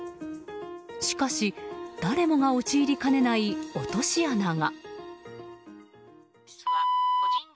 しかし、誰もが陥りかねない落とし穴が。